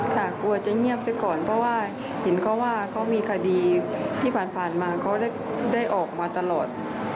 กลัวจะเงียบซะก่อนเพราะว่าเห็นเขาว่าเขามีคดีที่ผ่านมาเขาได้ออกมาตลอด